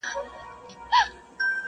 قهر د شینکي اسمان ګوره چي لا څه کیږي!!